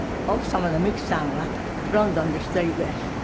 奥様の美樹さんはロンドンで一人暮らし？